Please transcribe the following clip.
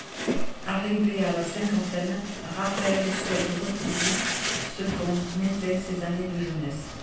Arrivé à la cinquantaine, Raphaël souhaite retrouver ce qu’ont été ses années de jeunesse.